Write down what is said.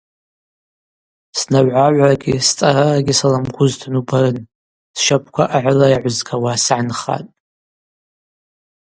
Снагӏвгӏагӏврагьи сцӏарарагьи салымгузтын убарын – сщапӏква агӏыла йагӏвызгауа сгӏанхатӏ.